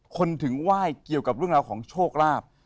ถึงไหว้เกี่ยวกับเรื่องราวของโชคลาภ